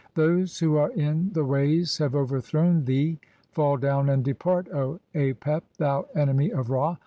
Those who are in (6) the ways have "overthrown thee ; fall down and depart, O Apep, thou Enemv "of Ra